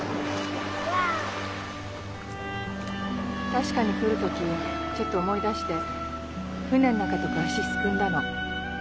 確かに来る時ちょっと思い出して船の中とか足すくんだの。